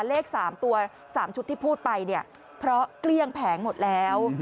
เลข๓ตัว๓ชุดที่พูดไปเนี่ยเพราะเกลี้ยงแผงหมดแล้ว